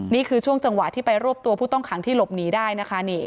นี่คือช่วงจังหวะที่ไปรวบตัวผู้ต้องขังที่หลบหนีได้นะคะ